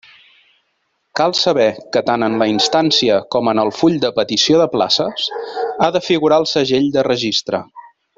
Cal saber que tant en la instància com en el full de petició de places ha de figurar el segell de registre.